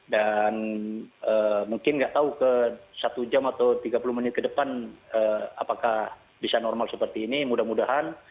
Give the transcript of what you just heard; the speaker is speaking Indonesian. dan mungkin nggak tahu ke satu jam atau tiga puluh menit ke depan apakah bisa normal seperti ini mudah mudahan